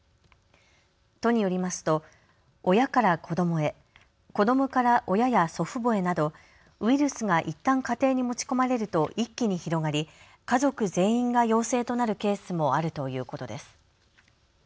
都によりますと親から子どもへ、子どもから親や祖父母へなどウイルスがいったん家庭に持ち込まれると一気に広がり家族全員が陽性となるケースもあるということです。